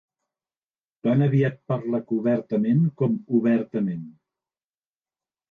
Tan aviat parla cobertament com obertament.